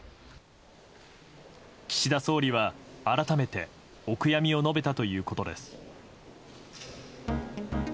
岸田総理は改めてお悔やみを述べたということです。